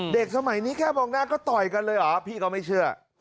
สมัยนี้แค่มองหน้าก็ต่อยกันเลยเหรอพี่ก็ไม่เชื่อ